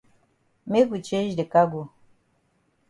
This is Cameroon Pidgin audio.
Make we change de cargo.